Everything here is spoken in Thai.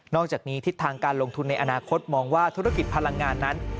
อกจากนี้ทิศทางการลงทุนในอนาคตมองว่าธุรกิจพลังงานนั้น